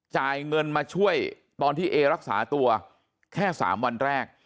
จ่ายเงินมาช่วยตอนที่เอรักษาตัวแค่๓วันแรก